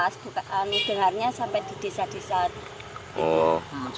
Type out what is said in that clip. sampai di desa desa